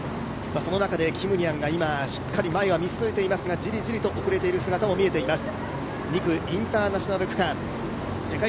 その中でキムニャンが今、しっかり前を見据えていますが、ジリジリと遅れる姿も見えています。